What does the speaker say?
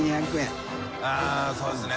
△そうですね。